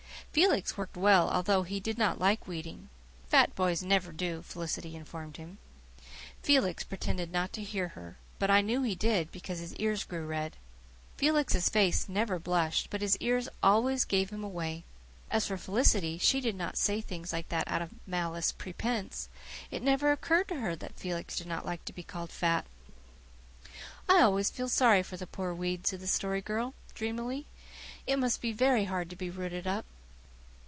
Felix worked well, although he did not like weeding "fat boys never do," Felicity informed him. Felix pretended not to hear her, but I knew he did, because his ears grew red. Felix's face never blushed, but his ears always gave him away. As for Felicity, she did not say things like that out of malice prepense. It never occurred to her that Felix did not like to be called fat. "I always feel so sorry for the poor weeds," said the Story Girl dreamily. "It must be very hard to be rooted up."